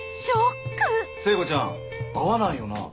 聖子ちゃん会わないよな。